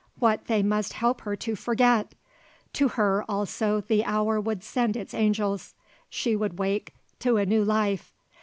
What they must help her to forget! To her, also, the hour would send it angels: she would wake to a new life.